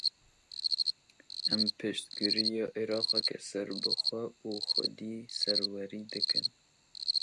Em piştgiriya Iraqeke serbixwe û xwedî serwerî dikin.